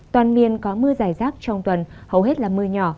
toàn miền có mưa dài rác trong tuần hầu hết là mưa nhỏ